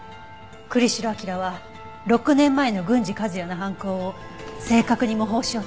栗城明良は６年前の郡司和哉の犯行を正確に模倣しようとしていたわ。